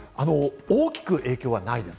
大きく影響はないです。